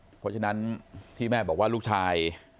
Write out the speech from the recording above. เพราะฉะนั้นที่แม่บอกว่าลูกชาย